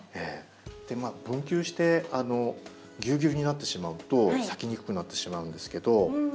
分球してぎゅうぎゅうになってしまうと咲きにくくなってしまうんですけど。